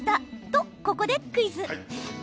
と、ここでクイズ。